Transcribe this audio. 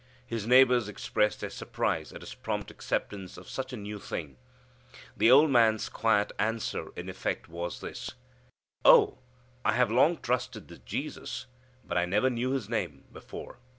His neighbors expressed their surprise at his prompt acceptance of such a new thing. The old man's quiet answer in effect was this: "Oh, I have long trusted this Jesus, but I never knew His name before."